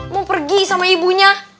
mau pergi sama ibunya